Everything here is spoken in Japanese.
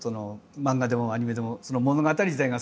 漫画でもアニメでも物語自体が好き。